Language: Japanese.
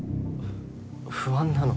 不安なの？